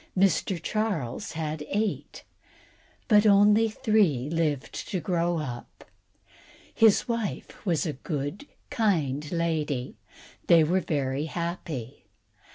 Mr. Charles had eight, but only three lived to grow up. His wife was a good, kind lady, and they were very happy.